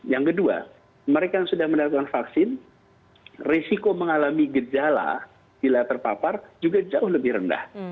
yang kedua mereka yang sudah mendapatkan vaksin risiko mengalami gejala bila terpapar juga jauh lebih rendah